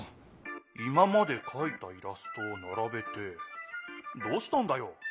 今までかいたイラストをならべてどうしたんだよ？